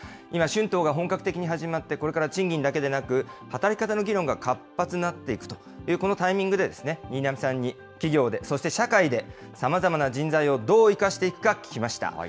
今、春闘が本格的に始まってこれから賃金だけでなく、働き方の議論が活発になっていくと、このタイミングで、新浪さんに企業で、そして社会で、さまざまな人材をどう生かしていくか聞きました。